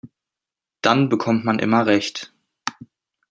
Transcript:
Dann bekommt man immer Recht.